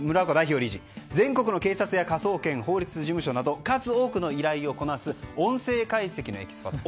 全国の警察や科捜研法律事務所など数多くの依頼をこなす音声解析のエキスパート。